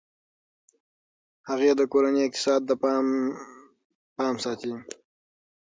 هغې د کورني اقتصاد پام ساتي.